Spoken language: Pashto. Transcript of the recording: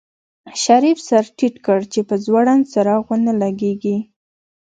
شريف سر ټيټ کړ چې په ځوړند څراغ ونه لګېږي.